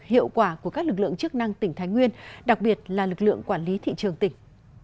hiệu quả của các lực lượng chức năng tỉnh thái nguyên đặc biệt là lực lượng quản lý thị trường tỉnh